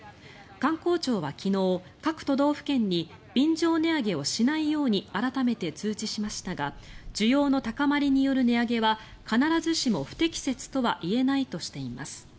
観光庁は昨日、各都道府県に便乗値上げをしないように改めて通知しましたが需要の高まりによる値上げは必ずしも不適切とは言えないとしています。